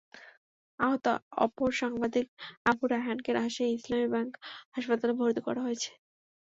আহত অপর সাংবাদিক আবু রায়হানকে রাজশাহীতে ইসলামী ব্যাংক হাসপাতালে ভর্তি করা হয়েছে।